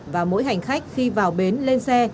và mỗi hành khách khi vào bến lên xe